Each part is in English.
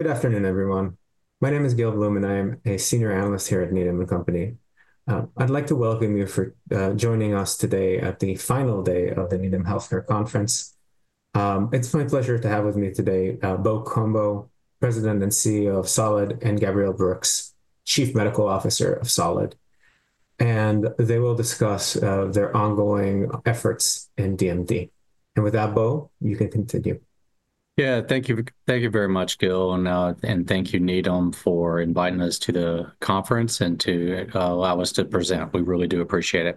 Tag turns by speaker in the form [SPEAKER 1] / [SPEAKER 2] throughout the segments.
[SPEAKER 1] Good afternoon, everyone. My name is Gil Blum, and I am a Senior Analyst here at Needham & Company. I'd like to welcome you for joining us today at the final day of the Needham Healthcare Conference. It's my pleasure to have with me today Bo Cumbo, President and CEO of Solid, and Gabriel Brooks, Chief Medical Officer of Solid. They will discuss their ongoing efforts in DMD. With that, Bo, you can continue.
[SPEAKER 2] Yeah, thank you very much, Gil. And thank you, Needham, for inviting us to the conference and to allow us to present. We really do appreciate it.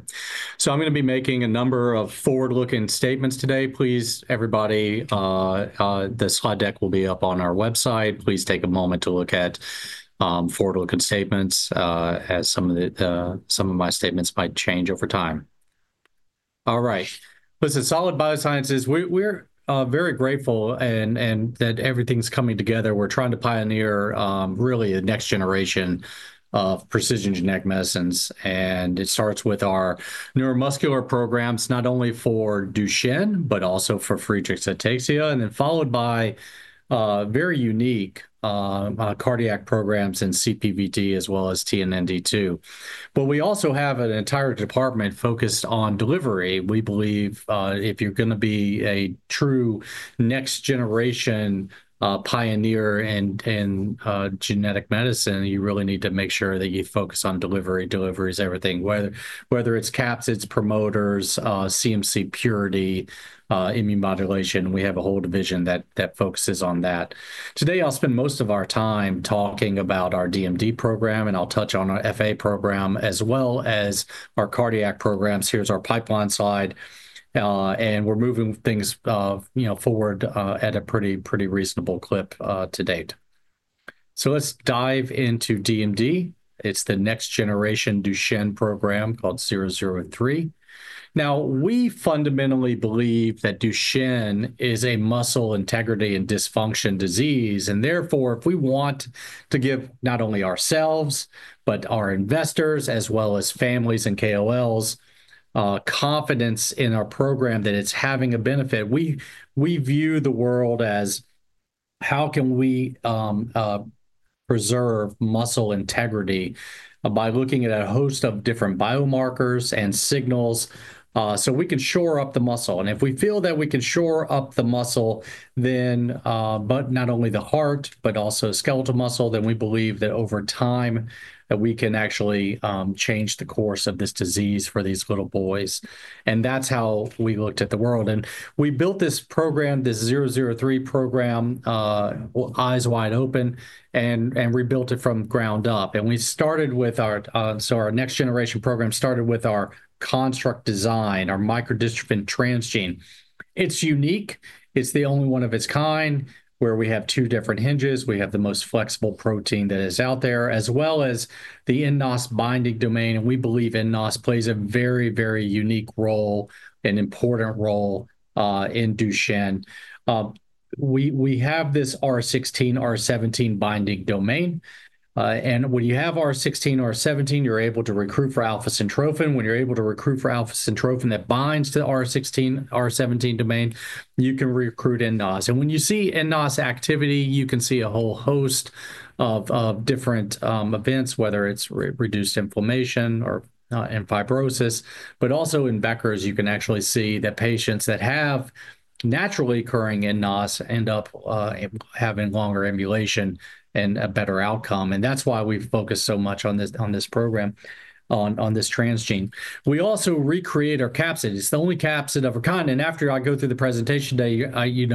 [SPEAKER 2] I'm going to be making a number of forward-looking statements today. Please, everybody, the slide deck will be up on our website. Please take a moment to look at forward-looking statements, as some of my statements might change over time. All right. Listen, Solid Biosciences, we're very grateful that everything's coming together. We're trying to pioneer, really, the next generation of precision genetic medicines. It starts with our neuromuscular programs, not only for Duchenne, but also for Friedreich's ataxia, and then followed by very unique cardiac programs in CPVT, as well as TNNT2. We also have an entire department focused on delivery. We believe if you're going to be a true next-generation pioneer in genetic medicine, you really need to make sure that you focus on delivery. Delivery is everything, whether it's capsids, it's promoters, CMC purity, immune modulation. We have a whole division that focuses on that. Today, I'll spend most of our time talking about our DMD program, and I'll touch on our FA program, as well as our cardiac programs. Here is our pipeline slide. We are moving things forward at a pretty reasonable clip to date. Let's dive into DMD. It is the next-generation Duchenne program called 003. Now, we fundamentally believe that Duchenne is a muscle integrity and dysfunction disease. Therefore, if we want to give not only ourselves, but our investors, as well as families and KOLs confidence in our program, that it's having a benefit, we view the world as how can we preserve muscle integrity by looking at a host of different biomarkers and signals so we can shore up the muscle. If we feel that we can shore up the muscle, but not only the heart, but also skeletal muscle, then we believe that over time, we can actually change the course of this disease for these little boys. That is how we looked at the world. We built this program, this 003 program, eyes wide open, and rebuilt it from ground up. We started with our next-generation program, started with our construct design, our microdystrophin transgene. It's unique. It's the only one of its kind where we have two different hinges. We have the most flexible protein that is out there, as well as the nNOS binding domain. We believe nNOS plays a very, very unique role and important role in Duchenne. We have this R16, R17 binding domain. When you have R16/R17, you're able to recruit for alpha-syntrophin. When you're able to recruit for alpha-syntrophin that binds to the R16/R17 domain, you can recruit nNOS. When you see nNOS activity, you can see a whole host of different events, whether it's reduced inflammation or fibrosis. Also, in Becker's, you can actually see that patients that have naturally occurring nNOS end up having longer ambulation and a better outcome. That's why we focus so much on this program, on this transgene. We also recreate our capsid. It's the only capsid of our kind. After I go through the presentation today, you're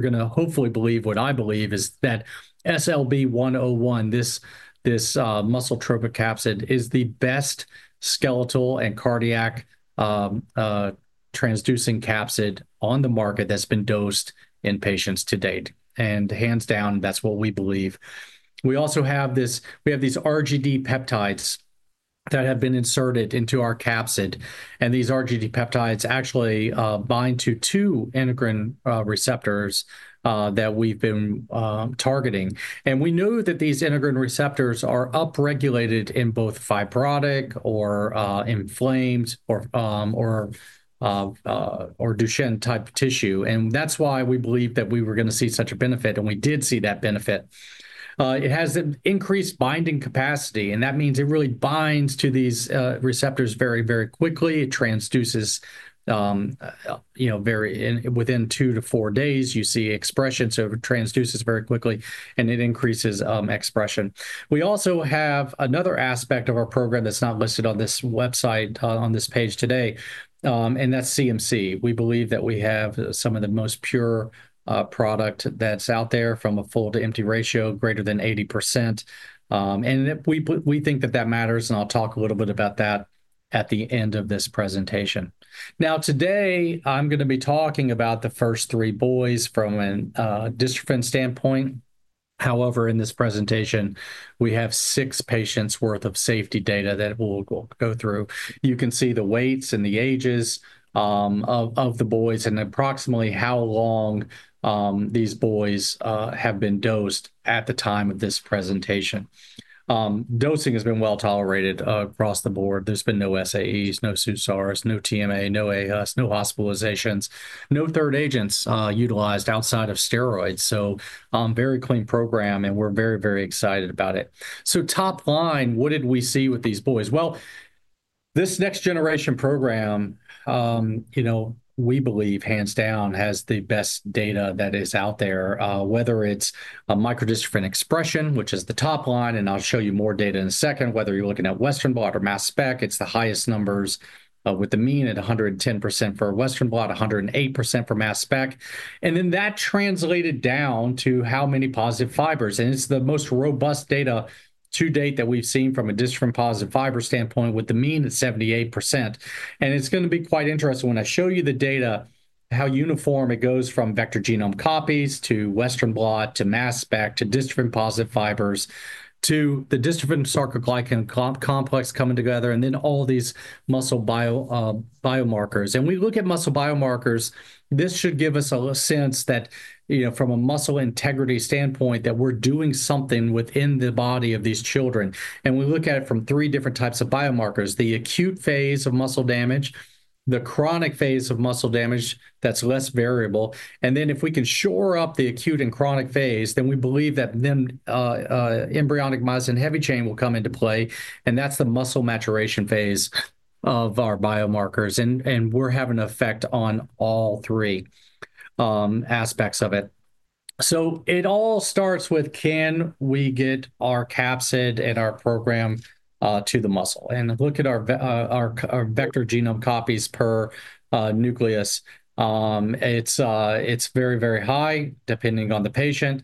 [SPEAKER 2] going to hopefully believe what I believe is that SLB101, this muscle trophic capsid, is the best skeletal and cardiac transducing capsid on the market that's been dosed in patients to date. Hands down, that's what we believe. We also have these RGD peptides that have been inserted into our capsid. These RGD peptides actually bind to two integrin receptors that we've been targeting. We know that these integrin receptors are upregulated in both fibrotic or inflamed or Duchenne-type tissue. That's why we believe that we were going to see such a benefit. We did see that benefit. It has an increased binding capacity. That means it really binds to these receptors very, very quickly. It transduces within two to four days. You see expression. It transduces very quickly, and it increases expression. We also have another aspect of our program that's not listed on this website, on this page today. That's CMC. We believe that we have some of the most pure product that's out there from a full-to-empty ratio greater than 80%. We think that that matters. I'll talk a little bit about that at the end of this presentation. Today, I'm going to be talking about the first three boys from a dystrophin standpoint. However, in this presentation, we have six patients' worth of safety data that we'll go through. You can see the weights and the ages of the boys and approximately how long these boys have been dosed at the time of this presentation. Dosing has been well tolerated across the board. There's been no SAEs, no SUSARs, no TMA, no aHUS, no hospitalizations, no third agents utilized outside of steroids. Very clean program, and we're very, very excited about it. Top line, what did we see with these boys? This next-generation program, we believe, hands down, has the best data that is out there, whether it's microdystrophin expression, which is the top line. I'll show you more data in a second, whether you're looking at Western blot or mass spec. It's the highest numbers with the mean at 110% for Western blot, 108% for mass spec. That translated down to how many positive fibers. It's the most robust data to date that we've seen from a dystrophin-positive fiber standpoint with the mean at 78%. It is going to be quite interesting when I show you the data, how uniform it goes from vector genome copies to Western blot to mass spec to dystrophin-positive fibers to the dystrophin-sarcoglycan complex coming together, and then all these muscle biomarkers. We look at muscle biomarkers. This should give us a sense that from a muscle integrity standpoint, that we're doing something within the body of these children. We look at it from three different types of biomarkers: the acute phase of muscle damage, the chronic phase of muscle damage that's less variable. If we can shore up the acute and chronic phase, then we believe that embryonic myosin heavy chain will come into play. That is the muscle maturation phase of our biomarkers. We are having an effect on all three aspects of it. It all starts with, can we get our capsid and our program to the muscle? And look at our vector genome copies per nucleus. It is very, very high, depending on the patient,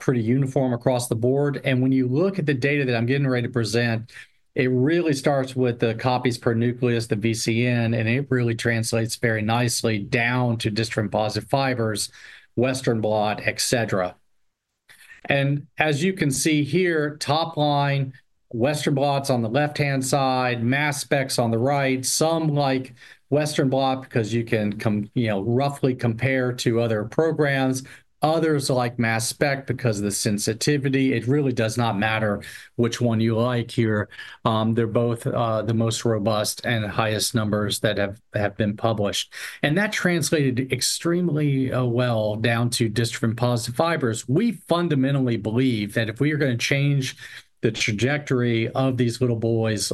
[SPEAKER 2] pretty uniform across the board. When you look at the data that I am getting ready to present, it really starts with the copies per nucleus, the VCN, and it really translates very nicely down to dystrophin-positive fibers, Western blot, et cetera. As you can see here, top line, Western blot is on the left-hand side, Mass spec is on the right, some like Western blot because you can roughly compare to other programs, others like Mass spec because of the sensitivity. It really does not matter which one you like here. They are both the most robust and highest numbers that have been published. That translated extremely well down to dystrophin-positive fibers. We fundamentally believe that if we are going to change the trajectory of these little boys'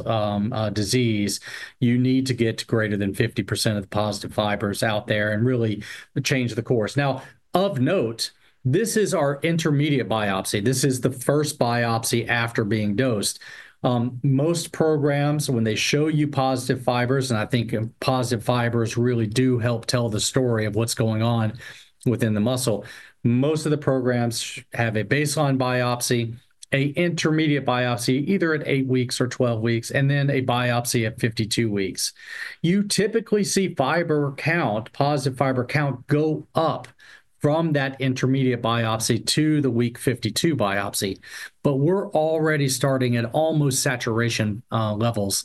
[SPEAKER 2] disease, you need to get greater than 50% of the positive fibers out there and really change the course. Now, of note, this is our intermediate biopsy. This is the first biopsy after being dosed. Most programs, when they show you positive fibers, and I think positive fibers really do help tell the story of what's going on within the muscle, most of the programs have a baseline biopsy, an intermediate biopsy, either at 8 weeks or 12 weeks, and then a biopsy at 52 weeks. You typically see fiber count, positive fiber count, go up from that intermediate biopsy to the week 52 biopsy. We are already starting at almost saturation levels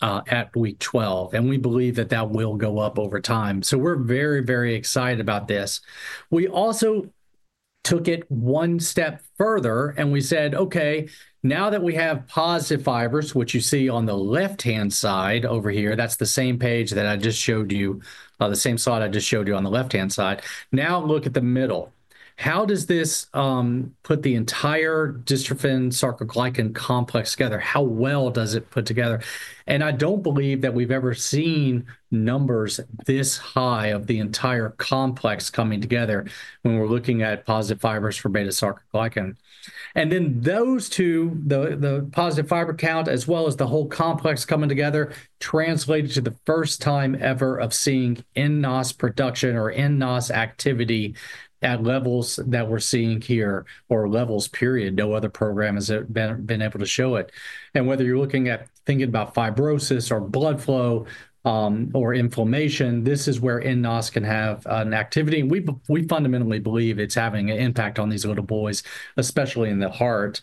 [SPEAKER 2] at week 12. We believe that that will go up over time. We are very, very excited about this. We also took it one step further, and we said, "Okay, now that we have positive fibers," which you see on the left-hand side over here, that's the same page that I just showed you, the same slide I just showed you on the left-hand side. Now look at the middle. How does this put the entire dystrophin-sarcoglycan complex together? How well does it put together? I don't believe that we've ever seen numbers this high of the entire complex coming together when we're looking at positive fibers for beta-sarcoglycan. Those two, the positive fiber count as well as the whole complex coming together, translated to the first time ever of seeing nNOS production or nNOS activity at levels that we're seeing here or levels, period. No other program has been able to show it. Whether you're looking at thinking about fibrosis or blood flow or inflammation, this is where nNOS can have an activity. We fundamentally believe it's having an impact on these little boys, especially in the heart.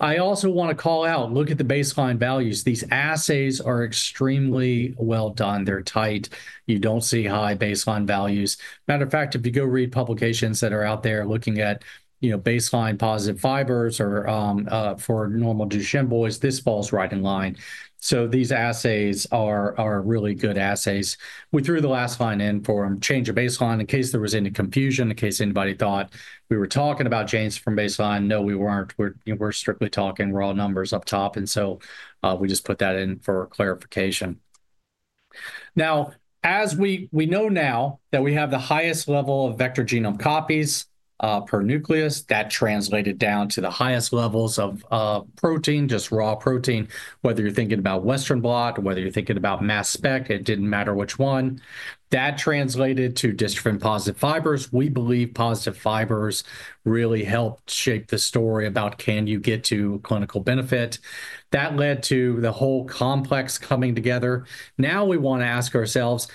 [SPEAKER 2] I also want to call out, look at the baseline values. These assays are extremely well done. They're tight. You don't see high baseline values. Matter of fact, if you go read publications that are out there looking at baseline positive fibers for normal Duchenne boys, this falls right in line. These assays are really good assays. We threw the last line in for a change of baseline in case there was any confusion, in case anybody thought we were talking about changes from baseline. No, we weren't. We're strictly talking. We're all numbers up top. We just put that in for clarification. Now, as we know now that we have the highest level of vector genome copies per nucleus, that translated down to the highest levels of protein, just raw protein, whether you're thinking about Western blot, whether you're thinking about mass spec, it didn't matter which one. That translated to dystrophin-positive fibers. We believe positive fibers really helped shape the story about can you get to clinical benefit. That led to the whole complex coming together. Now we want to ask ourselves,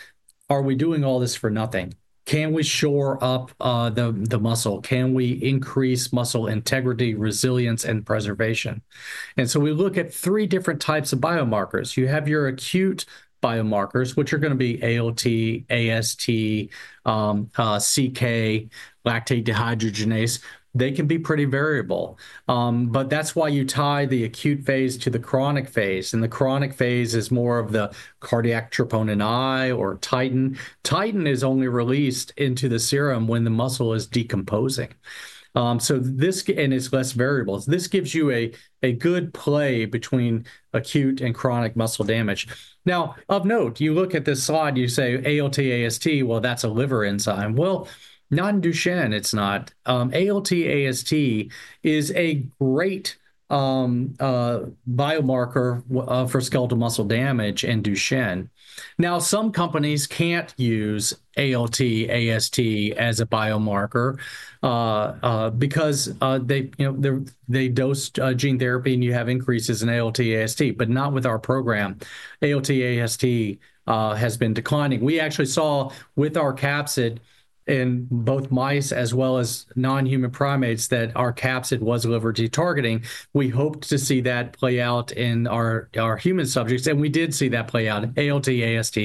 [SPEAKER 2] are we doing all this for nothing? Can we shore up the muscle? Can we increase muscle integrity, resilience, and preservation? We look at three different types of biomarkers. You have your acute biomarkers, which are going to be ALT, AST, CK, lactate dehydrogenase. They can be pretty variable. That's why you tie the acute phase to the chronic phase. The chronic phase is more of the cardiac troponin I or titin. Titin is only released into the serum when the muscle is decomposing. It is less variable. This gives you a good play between acute and chronic muscle damage. Of note, you look at this slide, you say ALT, AST, that is a liver enzyme. Not in Duchenne, it is not. ALT, AST is a great biomarker for skeletal muscle damage in Duchenne. Some companies cannot use ALT, AST as a biomarker because they dose gene therapy and you have increases in ALT, AST. Not with our program. ALT, AST has been declining. We actually saw with our capsid in both mice as well as non-human primates that our capsid was liver de-targeting. We hoped to see that play out in our human subjects. We did see that play out. ALT, AST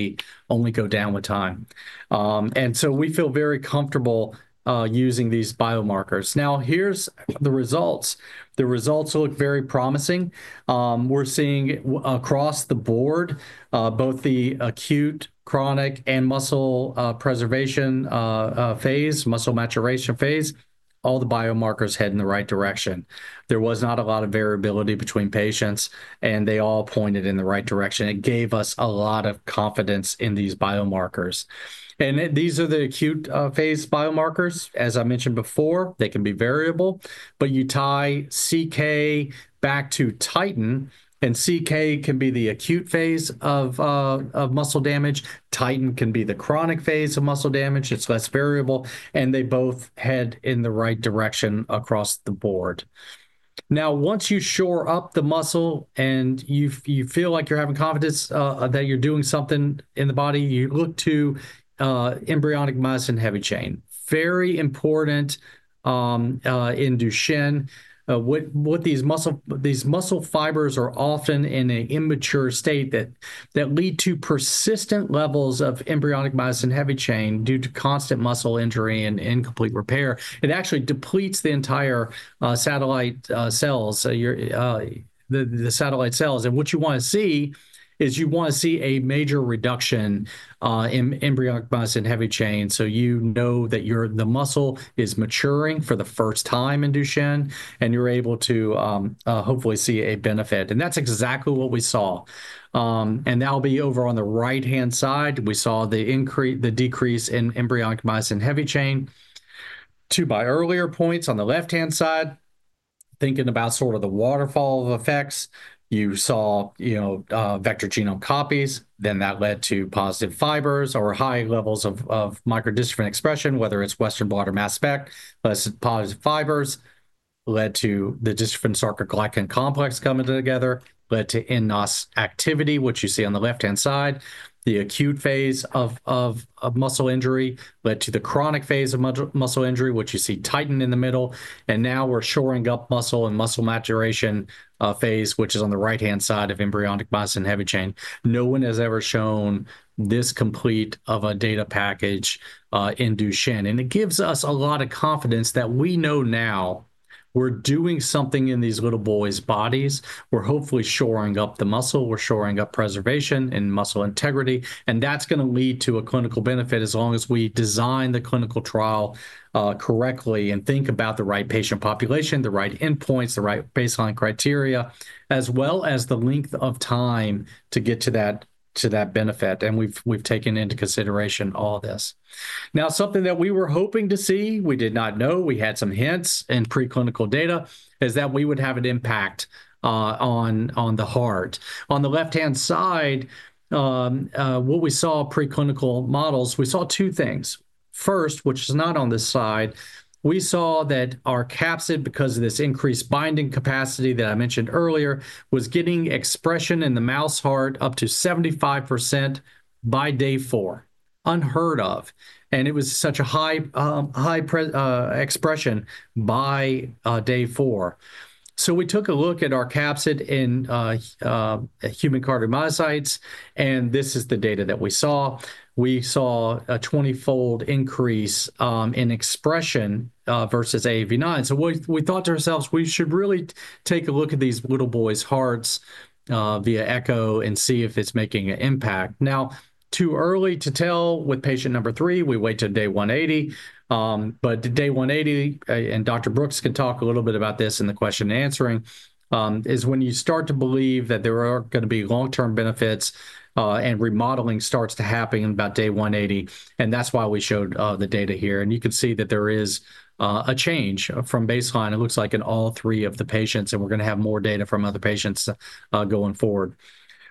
[SPEAKER 2] only go down with time. We feel very comfortable using these biomarkers. Now, here's the results. The results look very promising. We're seeing across the board, both the acute, chronic, and muscle preservation phase, muscle maturation phase, all the biomarkers head in the right direction. There was not a lot of variability between patients, and they all pointed in the right direction. It gave us a lot of confidence in these biomarkers. These are the acute phase biomarkers. As I mentioned before, they can be variable. You tie CK back to titin, and CK can be the acute phase of muscle damage. Titin can be the chronic phase of muscle damage. It's less variable. They both head in the right direction across the board. Now, once you shore up the muscle and you feel like you're having confidence that you're doing something in the body, you look to embryonic myosin heavy chain. Very important in Duchenne. These muscle fibers are often in an immature state that lead to persistent levels of embryonic myosin heavy chain due to constant muscle injury and incomplete repair. It actually depletes the entire satellite cells, the satellite cells. What you want to see is you want to see a major reduction in embryonic myosin heavy chain. You know that the muscle is maturing for the first time in Duchenne, and you're able to hopefully see a benefit. That's exactly what we saw. That'll be over on the right-hand side. We saw the decrease in embryonic myosin heavy chain. To my earlier points on the left-hand side, thinking about sort of the waterfall of effects, you saw vector genome copies. Then that led to positive fibers or high levels of microdystrophin expression, whether it's Western blot or mass spec. Positive fibers led to the dystrophin-sarcoglycan complex coming together, led to nNOS activity, which you see on the left-hand side. The acute phase of muscle injury led to the chronic phase of muscle injury, which you see titin in the middle. Now we're shoring up muscle and muscle maturation phase, which is on the right-hand side of embryonic myosin heavy chain. No one has ever shown this complete of a data package in Duchenne. It gives us a lot of confidence that we know now we're doing something in these little boys' bodies. We're hopefully shoring up the muscle. We're shoring up preservation and muscle integrity. That is going to lead to a clinical benefit as long as we design the clinical trial correctly and think about the right patient population, the right endpoints, the right baseline criteria, as well as the length of time to get to that benefit. We have taken into consideration all this. Now, something that we were hoping to see, we did not know. We had some hints in preclinical data, is that we would have an impact on the heart. On the left-hand side, what we saw in preclinical models, we saw two things. First, which is not on this side, we saw that our capsid, because of this increased binding capacity that I mentioned earlier, was getting expression in the mouse heart up to 75% by day four. Unheard of. It was such a high expression by day four. We took a look at our capsid in human cardiomyocytes. This is the data that we saw. We saw a 20-fold increase in expression versus AAV9. We thought to ourselves, we should really take a look at these little boys' hearts via echo and see if it's making an impact. Now, too early to tell with patient number three. We waited till day 180. Day 180, and Dr. Brooks can talk a little bit about this in the question and answering, is when you start to believe that there are going to be long-term benefits and remodeling starts to happen in about day 180. That is why we showed the data here. You can see that there is a change from baseline. It looks like in all three of the patients. We are going to have more data from other patients going forward.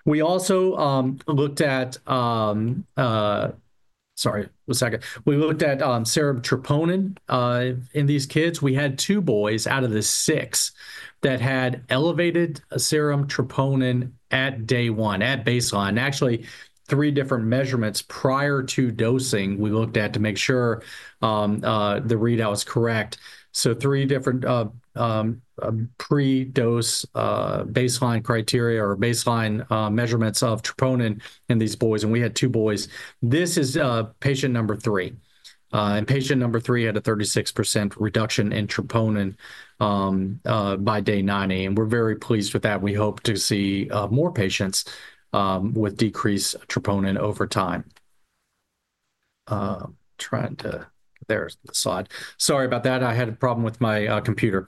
[SPEAKER 2] We also looked at, sorry, one second. We looked at serum troponin in these kids. We had two boys out of the six that had elevated serum troponin at day one, at baseline. Actually, three different measurements prior to dosing we looked at to make sure the readout was correct. Three different pre-dose baseline criteria or baseline measurements of troponin in these boys. We had two boys. This is patient number three. Patient number three had a 36% reduction in troponin by day 90. We're very pleased with that. We hope to see more patients with decreased troponin over time. Trying to, there's the slide. Sorry about that. I had a problem with my computer.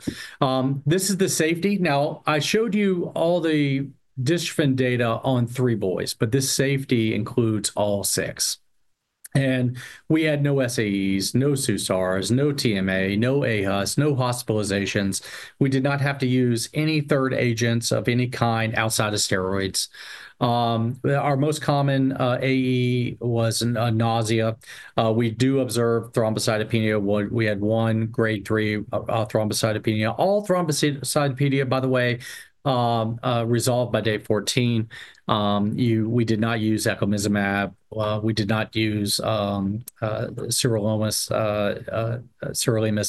[SPEAKER 2] This is the safety. I showed you all the dystrophin data on three boys, but this safety includes all six. We had no SAEs, no SUSARs, no TMA, no aHUS, no hospitalizations. We did not have to use any third agents of any kind outside of steroids. Our most common AE was nausea. We do observe thrombocytopenia. We had one grade 3 thrombocytopenia. All thrombocytopenia, by the way, resolved by day 14. We did not use eculizumab. We did not use sirolimus.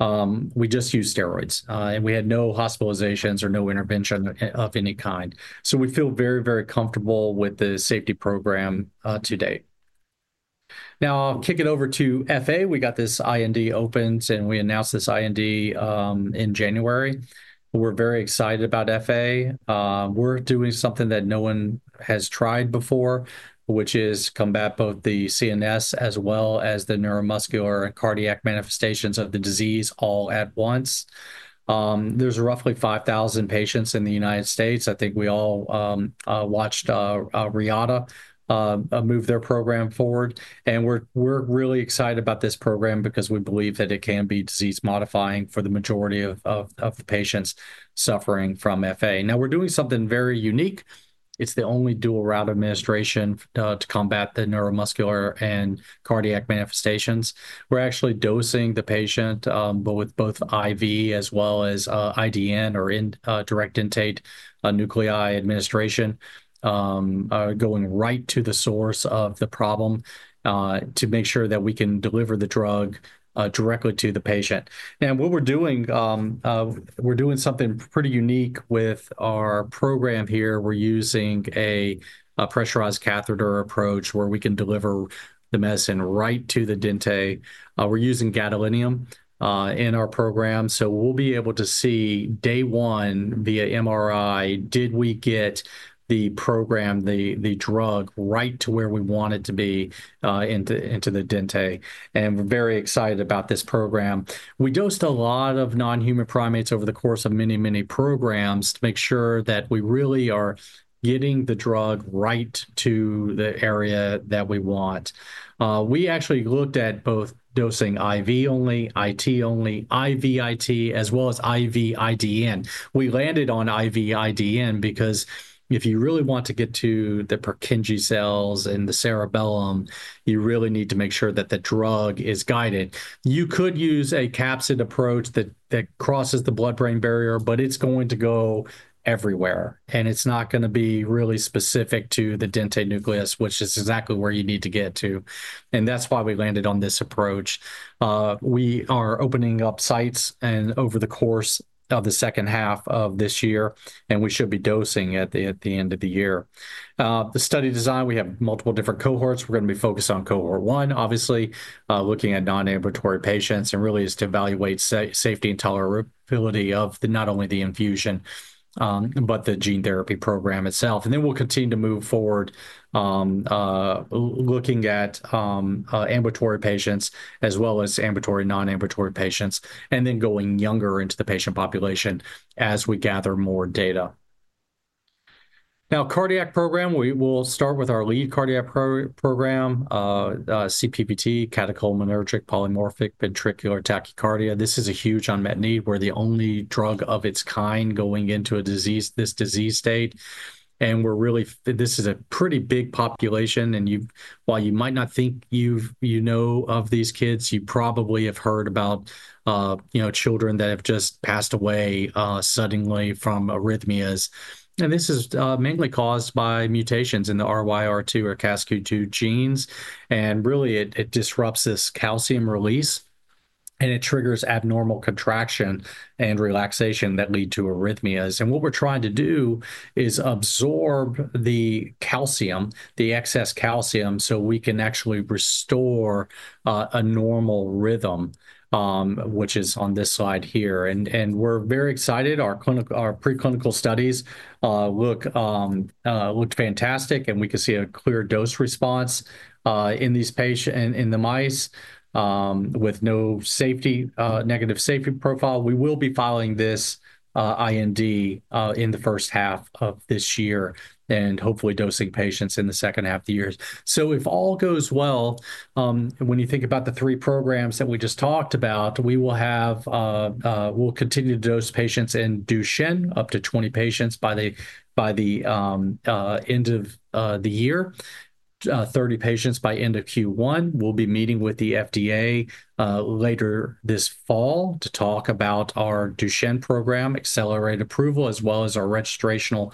[SPEAKER 2] We just used steroids. We had no hospitalizations or no intervention of any kind. We feel very, very comfortable with the safety program to date. Now, I'll kick it over to FA. We got this IND open, and we announced this IND in January. We're very excited about FA. We're doing something that no one has tried before, which is combat both the CNS as well as the neuromuscular and cardiac manifestations of the disease all at once. There's roughly 5,000 patients in the United States. I think we all watched Reata move their program forward. We're really excited about this program because we believe that it can be disease-modifying for the majority of the patients suffering from FA. Now, we're doing something very unique. It's the only dual-route administration to combat the neuromuscular and cardiac manifestations. We're actually dosing the patient both IV as well as IDN, or intradentate nucleus administration, going right to the source of the problem to make sure that we can deliver the drug directly to the patient. What we're doing, we're doing something pretty unique with our program here. We're using a pressurized catheter approach where we can deliver the medicine right to the dentate. We're using gadolinium in our program. We'll be able to see day one via MRI, did we get the program, the drug right to where we want it to be into the dentate. We're very excited about this program. We dosed a lot of non-human primates over the course of many, many programs to make sure that we really are getting the drug right to the area that we want. We actually looked at both dosing IV only, IT only, IV IT, as well as IV IDN. We landed on IV IDN because if you really want to get to the Purkinje cells and the cerebellum, you really need to make sure that the drug is guided. You could use a capsid approach that crosses the blood-brain barrier, but it's going to go everywhere. It is not going to be really specific to the dentate nucleus, which is exactly where you need to get to. That is why we landed on this approach. We are opening up sites over the course of the second half of this year, and we should be dosing at the end of the year. The study design, we have multiple different cohorts. We are going to be focused on cohort one, obviously, looking at non-ambulatory patients and really is to evaluate safety and tolerability of not only the infusion, but the gene therapy program itself. We will continue to move forward looking at ambulatory patients as well as ambulatory and non-ambulatory patients, and then going younger into the patient population as we gather more data. Now, cardiac program, we will start with our lead cardiac program, CPVT, catecholaminergic polymorphic ventricular tachycardia. This is a huge unmet need. We're the only drug of its kind going into this disease state. This is a pretty big population. While you might not think you know of these kids, you probably have heard about children that have just passed away suddenly from arrhythmias. This is mainly caused by mutations in the RYR2 or CASQ2 genes. It really disrupts this calcium release, and it triggers abnormal contraction and relaxation that lead to arrhythmias. What we're trying to do is absorb the calcium, the excess calcium, so we can actually restore a normal rhythm, which is on this slide here. We're very excited. Our preclinical studies looked fantastic, and we could see a clear dose response in these patients in the mice with no negative safety profile. We will be filing this IND in the first half of this year and hopefully dosing patients in the second half of the year. If all goes well, when you think about the three programs that we just talked about, we will continue to dose patients in Duchenne up to 20 patients by the end of the year, 30 patients by end of Q1. We will be meeting with the FDA later this fall to talk about our Duchenne program, accelerated approval, as well as our registrational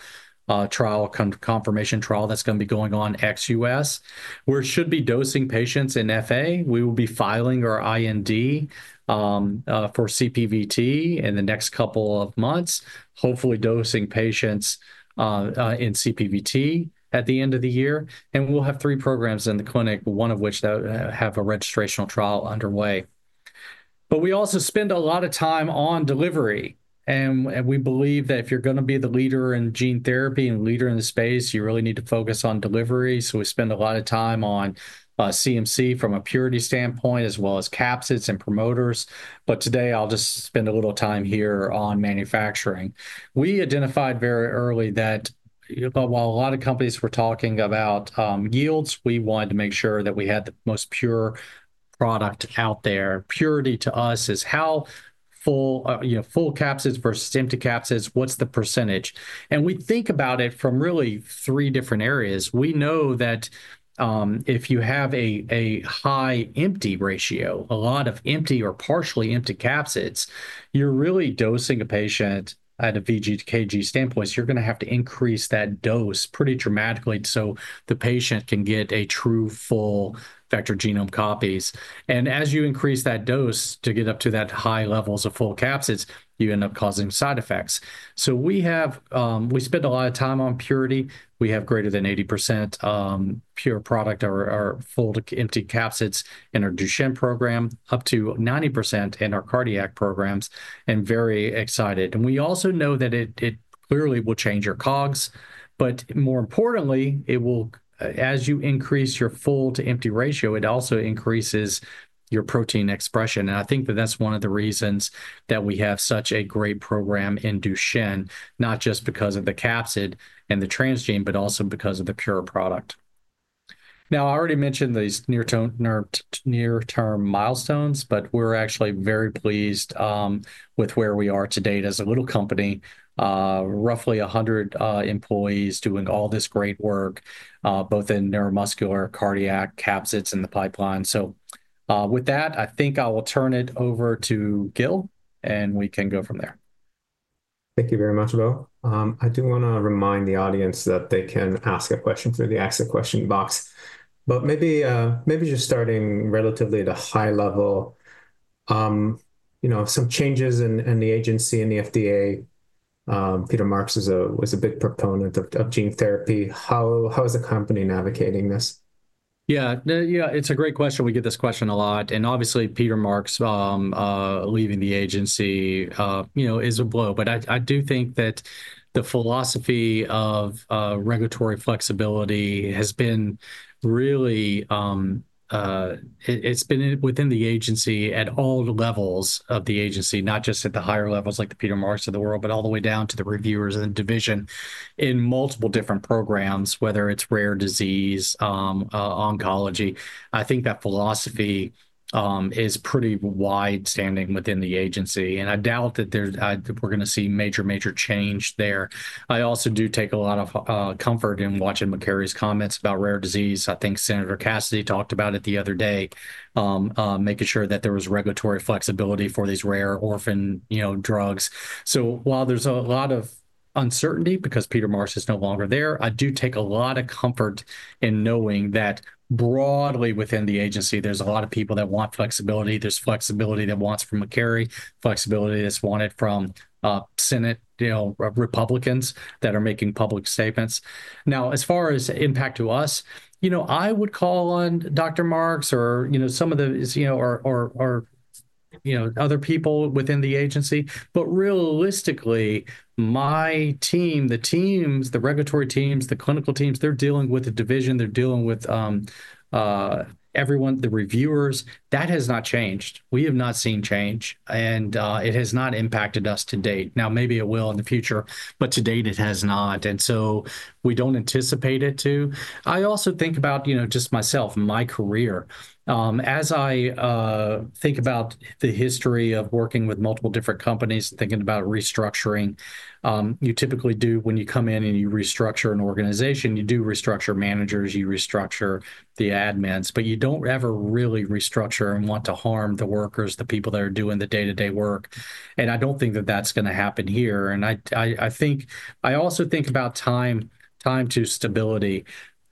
[SPEAKER 2] trial, confirmation trial that's going to be going on ex-US. We should be dosing patients in FA. We will be filing our IND for CPVT in the next couple of months, hopefully dosing patients in CPVT at the end of the year. We will have three programs in the clinic, one of which have a registrational trial underway. We also spend a lot of time on delivery. We believe that if you're going to be the leader in gene therapy and leader in the space, you really need to focus on delivery. We spend a lot of time on CMC from a purity standpoint, as well as capsids and promoters. Today, I'll just spend a little time here on manufacturing. We identified very early that while a lot of companies were talking about yields, we wanted to make sure that we had the most pure product out there. Purity to us is how full capsids versus empty capsids, what's the percentage? We think about it from really three different areas. We know that if you have a high empty ratio, a lot of empty or partially empty capsids, you're really dosing a patient at a vg/kg standpoint. You're going to have to increase that dose pretty dramatically so the patient can get a true full vector genome copies. As you increase that dose to get up to that high levels of full capsids, you end up causing side effects. We spend a lot of time on purity. We have greater than 80% pure product or full to empty capsids in our Duchenne program, up to 90% in our cardiac programs, and very excited. We also know that it clearly will change your COGS. More importantly, as you increase your full to empty ratio, it also increases your protein expression. I think that that's one of the reasons that we have such a great program in Duchenne, not just because of the capsid and the transgene, but also because of the pure product. Now, I already mentioned these near-term milestones, but we're actually very pleased with where we are to date as a little company, roughly 100 employees doing all this great work, both in neuromuscular, cardiac, capsids, and the pipeline. With that, I think I will turn it over to Gil, and we can go from there.
[SPEAKER 1] Thank you very much, Bo. I do want to remind the audience that they can ask a question through the ask a question box. Maybe just starting relatively at a high level, some changes in the agency and the FDA. Peter Marks was a big proponent of gene therapy. How is the company navigating this?
[SPEAKER 2] Yeah, it's a great question. We get this question a lot. Obviously, Peter Marks leaving the agency is a blow. I do think that the philosophy of regulatory flexibility has been really within the agency at all levels of the agency, not just at the higher levels like the Peter Marks of the world, but all the way down to the reviewers of the division in multiple different programs, whether it's rare disease, oncology. I think that philosophy is pretty wide-standing within the agency. I doubt that we're going to see major, major change there. I also do take a lot of comfort in watching McCarthy's comments about rare disease. I think Senator Cassidy talked about it the other day, making sure that there was regulatory flexibility for these rare orphan drugs. While there's a lot of uncertainty because Peter Marks is no longer there, I do take a lot of comfort in knowing that broadly within the agency, there's a lot of people that want flexibility. There's flexibility that wants from McCarthy, flexibility that's wanted from Senate Republicans that are making public statements. Now, as far as impact to us, I would call on Dr. Marks or some of the other people within the agency. Realistically, my team, the teams, the regulatory teams, the clinical teams, they're dealing with the division. They're dealing with everyone, the reviewers. That has not changed. We have not seen change. It has not impacted us to date. Maybe it will in the future, but to date, it has not. We do not anticipate it too. I also think about just myself, my career. As I think about the history of working with multiple different companies and thinking about restructuring, you typically do when you come in and you restructure an organization, you do restructure managers, you restructure the admins, but you do not ever really restructure and want to harm the workers, the people that are doing the day-to-day work. I do not think that that is going to happen here. I also think about time to stability.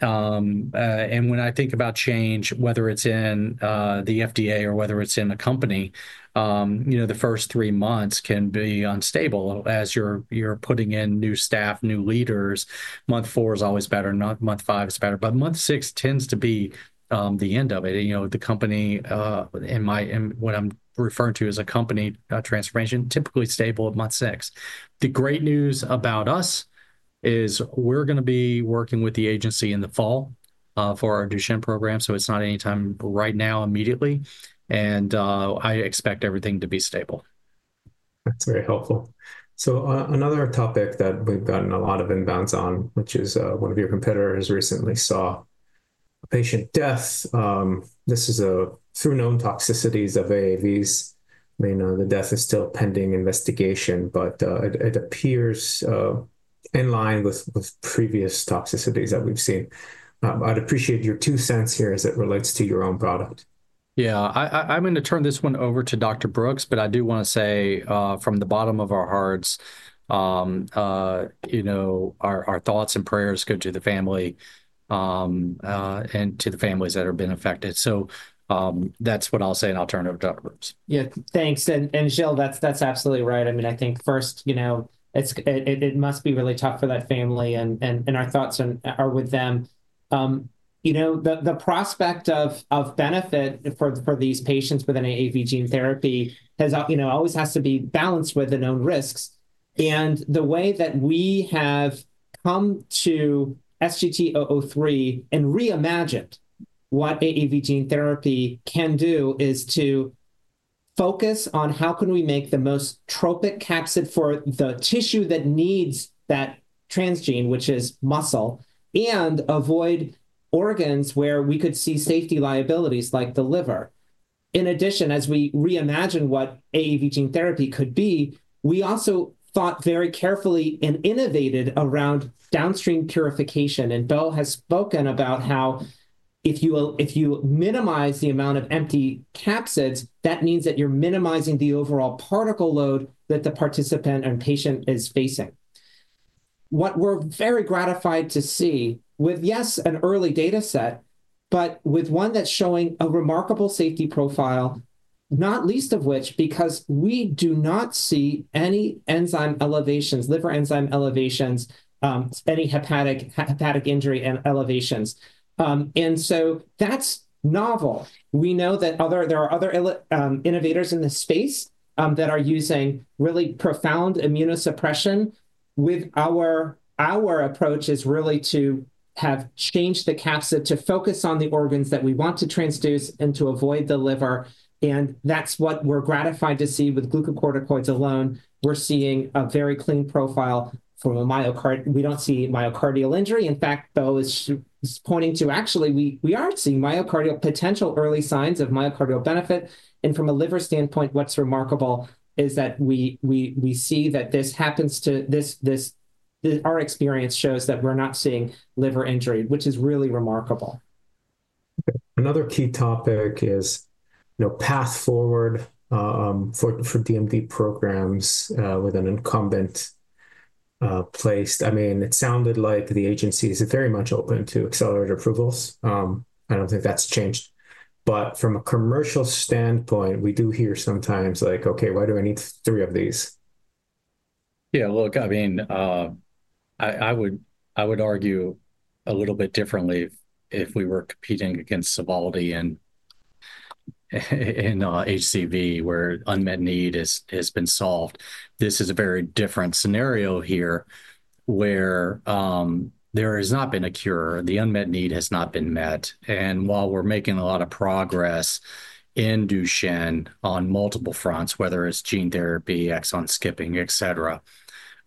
[SPEAKER 2] When I think about change, whether it is in the FDA or whether it is in a company, the first three months can be unstable as you are putting in new staff, new leaders. Month four is always better. Month five is better. Month six tends to be the end of it. The company and what I am referring to as a company transformation, typically stable at month six. The great news about us is we're going to be working with the agency in the fall for our Duchenne program. It is not anytime right now immediately. I expect everything to be stable.
[SPEAKER 1] That is very helpful. Another topic that we have gotten a lot of inbounds on, which is one of your competitors recently saw a patient death. This is through known toxicities of AAVs. I mean, the death is still pending investigation, but it appears in line with previous toxicities that we have seen. I would appreciate your two cents here as it relates to your own product.
[SPEAKER 2] I am going to turn this one over to Dr. Brooks, but I do want to say from the bottom of our hearts, our thoughts and prayers go to the family and to the families that have been affected. That is what I will say, and I will turn it over to Dr. Brooks.
[SPEAKER 3] Yeah, thanks. And Gil, that's absolutely right. I mean, I think first, it must be really tough for that family, and our thoughts are with them. The prospect of benefit for these patients with an AAV gene therapy always has to be balanced with the known risks. The way that we have come to SGT-003 and reimagined what AAV gene therapy can do is to focus on how can we make the most tropic capsid for the tissue that needs that transgene, which is muscle, and avoid organs where we could see safety liabilities like the liver. In addition, as we reimagine what AAV gene therapy could be, we also thought very carefully and innovated around downstream purification. Bo has spoken about how if you minimize the amount of empty capsids, that means that you're minimizing the overall particle load that the participant and patient is facing. What we're very gratified to see with, yes, an early data set, but with one that's showing a remarkable safety profile, not least of which because we do not see any enzyme elevations, liver enzyme elevations, any hepatic injury elevations. That is novel. We know that there are other innovators in this space that are using really profound immunosuppression. Our approach is really to have changed the capsid to focus on the organs that we want to transduce and to avoid the liver. That is what we're gratified to see with glucocorticoids alone. We're seeing a very clean profile from a myocardial. We don't see myocardial injury. In fact, Bo is pointing to actually we are seeing myocardial potential early signs of myocardial benefit. From a liver standpoint, what's remarkable is that we see that this happens to our experience shows that we're not seeing liver injury, which is really remarkable.
[SPEAKER 1] Another key topic is path forward for DMD programs with an incumbent placed. I mean, it sounded like the agency is very much open to accelerated approvals. I don't think that's changed. From a commercial standpoint, we do hear sometimes like, "Okay, why do I need three of these?"
[SPEAKER 2] Yeah, look, I mean, I would argue a little bit differently if we were competing against Sovaldi and HCV where unmet need has been solved. This is a very different scenario here where there has not been a cure. The unmet need has not been met. While we're making a lot of progress in Duchenne on multiple fronts, whether it's gene therapy, exon skipping, etc.,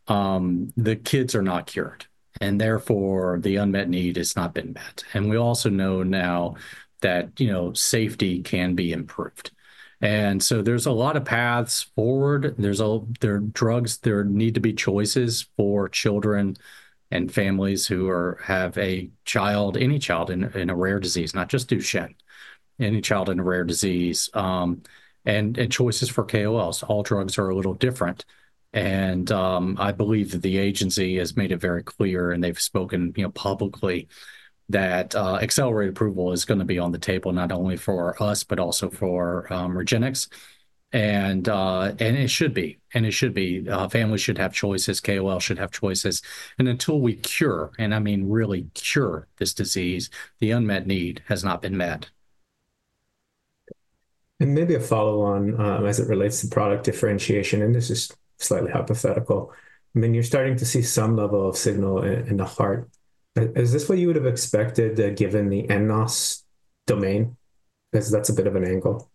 [SPEAKER 2] the kids are not cured. Therefore, the unmet need has not been met. We also know now that safety can be improved. There are a lot of paths forward. There are drugs. There need to be choices for children and families who have a child, any child in a rare disease, not just Duchenne, any child in a rare disease. Choices for KOLs. All drugs are a little different. I believe that the agency has made it very clear, and they have spoken publicly that accelerated approval is going to be on the table not only for us, but also for Regenxbio. It should be. It should be. Families should have choices. KOLs should have choices. Until we cure, and I mean really cure this disease, the unmet need has not been met.
[SPEAKER 1] Maybe a follow-on as it relates to product differentiation. This is slightly hypothetical. I mean, you're starting to see some level of signal in the heart. Is this what you would have expected given the nNOS domain? Because that's a bit of an angle.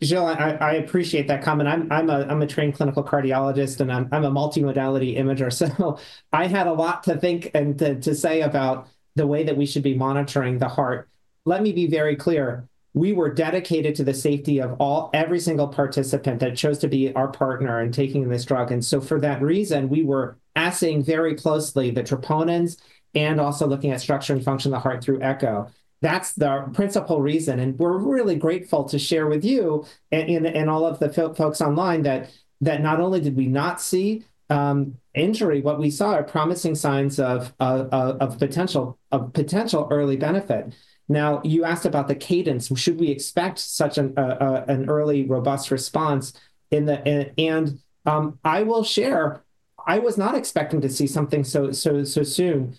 [SPEAKER 3] Gil, I appreciate that comment. I'm a trained clinical cardiologist, and I'm a multimodality imager. I had a lot to think and to say about the way that we should be monitoring the heart. Let me be very clear. We were dedicated to the safety of every single participant that chose to be our partner in taking this drug. For that reason, we were assaying very closely the troponins and also looking at structure and function of the heart through echo. That's the principal reason. We're really grateful to share with you and all of the folks online that not only did we not see injury, but we saw promising signs of potential early benefit. Now, you asked about the cadence. Should we expect such an early robust response? I will share. I was not expecting to see something so soon,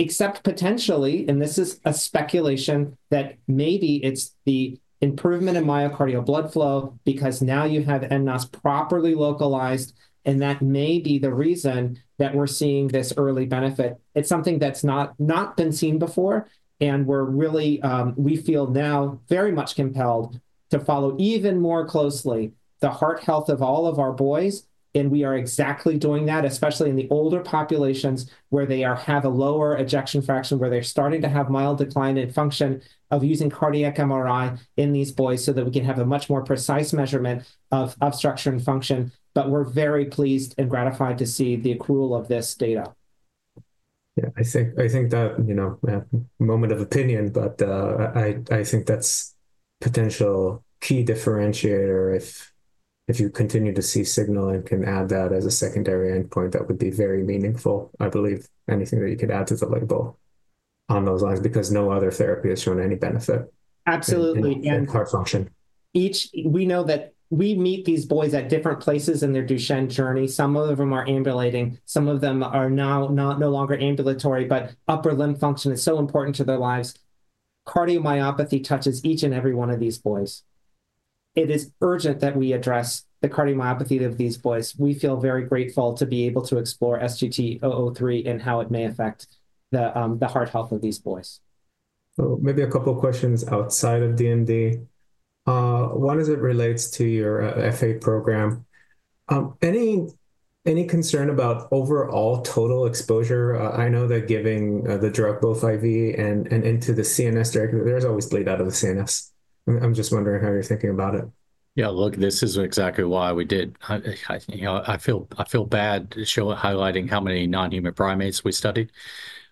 [SPEAKER 3] except potentially, and this is a speculation, that maybe it's the improvement in myocardial blood flow because now you have nNOS properly localized, and that may be the reason that we're seeing this early benefit. It's something that's not been seen before. We feel now very much compelled to follow even more closely the heart health of all of our boys. We are exactly doing that, especially in the older populations where they have a lower ejection fraction, where they're starting to have mild decline in function of using cardiac MRI in these boys so that we can have a much more precise measurement of structure and function. We are very pleased and gratified to see the accrual of this data.
[SPEAKER 1] Yeah, I think that moment of opinion, but I think that's a potential key differentiator. If you continue to see signal and can add that as a secondary endpoint, that would be very meaningful. I believe anything that you could add to the label on those lines because no other therapy has shown any benefit.
[SPEAKER 3] Absolutely. Heart function. We know that we meet these boys at different places in their Duchenne journey. Some of them are ambulating. Some of them are now no longer ambulatory, but upper limb function is so important to their lives. Cardiomyopathy touches each and every one of these boys. It is urgent that we address the cardiomyopathy of these boys. We feel very grateful to be able to explore SGT-003 and how it may affect the heart health of these boys. Maybe a couple of questions outside of DMD.
[SPEAKER 1] One as it relates to your FA program. Any concern about overall total exposure? I know that giving the drug both IV and into the CNS directly, there's always bleed out of the CNS. I'm just wondering how you're thinking about it.
[SPEAKER 2] Yeah, look, this is exactly why we did. I feel bad highlighting how many non-human primates we studied.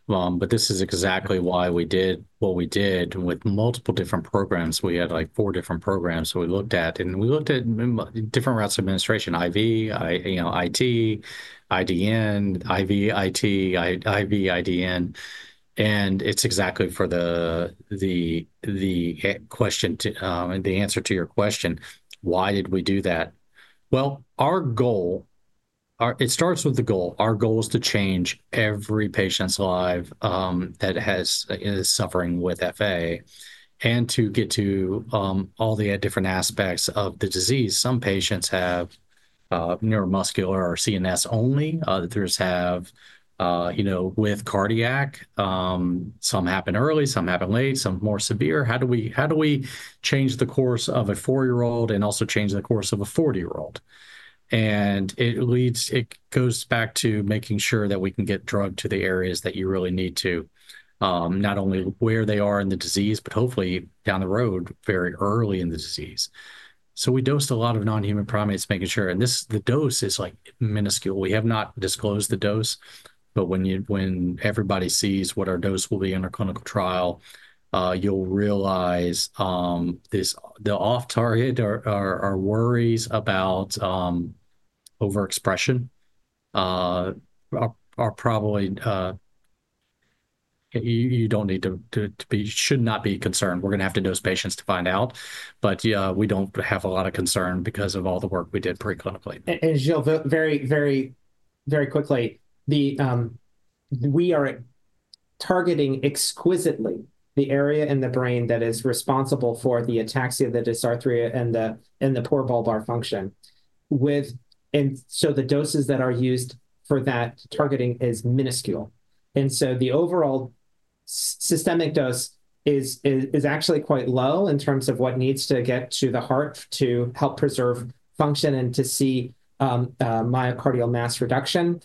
[SPEAKER 2] This is exactly why we did what we did with multiple different programs. We had like four different programs that we looked at. We looked at different routes of administration: IV, IT, IDN, IV, IT, IV, IDN. It is exactly for the question and the answer to your question, why did we do that? Our goal, it starts with the goal. Our goal is to change every patient's life that is suffering with FA and to get to all the different aspects of the disease. Some patients have neuromuscular or CNS only. Others have with cardiac. Some happen early, some happen late, some more severe. How do we change the course of a four-year-old and also change the course of a 40-year-old? It goes back to making sure that we can get drug to the areas that you really need to, not only where they are in the disease, but hopefully down the road very early in the disease. We dosed a lot of non-human primates, making sure. The dose is minuscule. We have not disclosed the dose. When everybody sees what our dose will be in our clinical trial, you'll realize the off-target or worries about overexpression are probably you should not be concerned. We're going to have to dose patients to find out. We don't have a lot of concern because of all the work we did preclinically.
[SPEAKER 3] Gil, very, very quickly, we are targeting exquisitely the area in the brain that is responsible for the ataxia, the dysarthria, and the poor bulbar function. The doses that are used for that targeting is minuscule. The overall systemic dose is actually quite low in terms of what needs to get to the heart to help preserve function and to see myocardial mass reduction.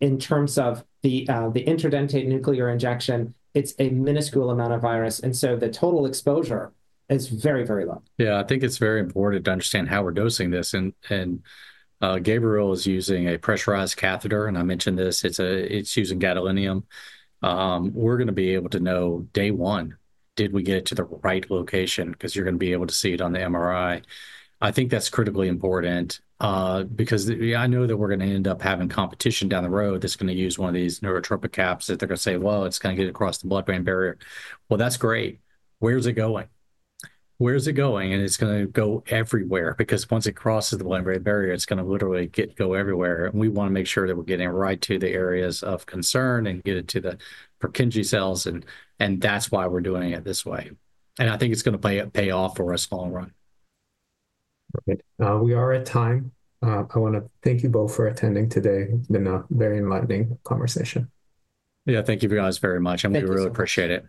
[SPEAKER 3] In terms of the intradentate nuclear injection, it's a minuscule amount of virus. The total exposure is very, very low.
[SPEAKER 2] I think it's very important to understand how we're dosing this. Gabriel is using a pressurized catheter. I mentioned this. It's using gadolinium. We're going to be able to know day one, did we get it to the right location? Because you're going to be able to see it on the MRI. I think that's critically important because I know that we're going to end up having competition down the road that's going to use one of these neurotropic caps that they're going to say, "Well, it's going to get across the blood-brain barrier." That's great. Where's it going? Where's it going? It's going to go everywhere because once it crosses the blood-brain barrier, it's going to literally go everywhere. We want to make sure that we're getting it right to the areas of concern and get it to the Purkinje cells. That's why we're doing it this way. I think it's going to pay off for us long run.
[SPEAKER 1] We are at time. I want to thank you both for attending today. It's been a very enlightening conversation.
[SPEAKER 2] Thank you for you guys very much. I really appreciate it.